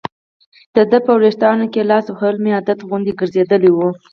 د دې په ویښتانو کې لاس وهل مې عادت غوندې ګرځېدلی و.